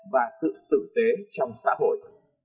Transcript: và sự tử tế trong xã hội